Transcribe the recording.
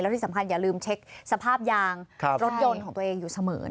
ที่สำคัญอย่าลืมเช็คสภาพยางรถยนต์ของตัวเองอยู่เสมอ